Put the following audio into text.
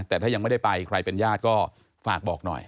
แต่ถ้ายังไม่ได้ไปใครเป็นญาติก็ฝากบอกหน่อย